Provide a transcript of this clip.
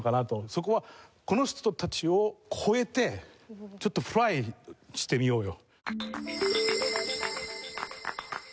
そこはこの人たちを超えてちょっとフライしてみようよ。